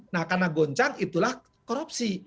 nah karena goncang itulah korupsi